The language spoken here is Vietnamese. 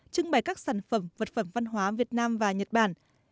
trưng bày các sản phẩm vật phẩm văn hóa việt nam và nhật bản